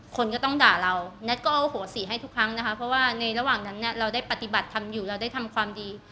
คนก็ต้องด่าเราแท็กก็โอโหสีให้ทุกครั้งนะคะเพราะว่าในระหว่างนั้นเนี่ยเราได้ปฏิบัติทำอยู่เราได้ทำความดี